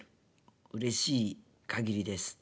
うれしいかぎりです。